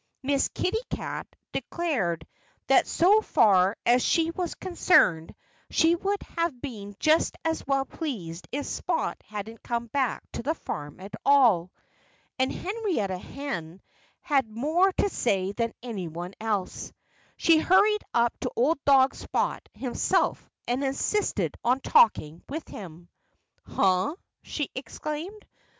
Miss Kitty Cat declared that so far as she was concerned she would have been just as well pleased if Spot hadn't come back to the farm at all. And Henrietta Hen had more to say than anyone else. She hurried up to old dog Spot himself and insisted on talking with him. "Huh!" she exclaimed.